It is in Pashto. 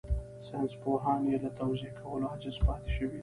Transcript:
ساينسپوهان يې له توضيح کولو عاجز پاتې شوي دي.